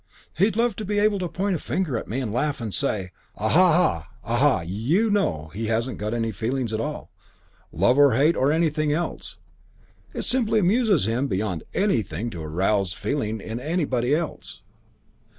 He'd love to be able to point a finger at me and laugh and say, 'Ah! Ha ha! Ah!' You know, he hasn't got any feelings at all love or hate or anything else; and it simply amuses him beyond anything to arouse feeling in anybody else.